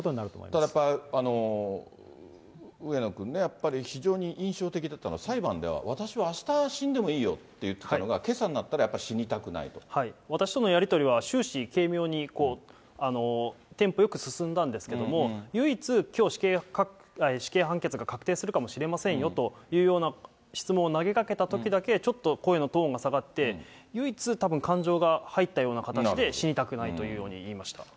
ただやっぱり、上野君ね、やっぱり、非常に印象的だったのは、裁判では私はあした、死んでもいいよと言っていたのが、けさになったら、やっぱり死にた私とのやり取りは終始、軽妙にテンポよく進んだんですけれども、唯一、きょう死刑判決が確定するかもしれませんよというような質問を投げかけたときだけ、ちょっと声のトーンが下がって、唯一、たぶん感情が入ったような形で、死にたくないというように言いました。